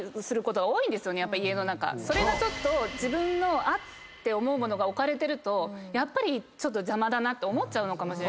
それがちょっと自分のあっ！って思う物が置かれてるとやっぱりちょっと邪魔だなって思っちゃうのかもしれないです。